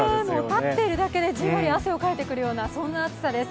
立っているだけで、じんわり汗をかいてくるようなそんな暑さです。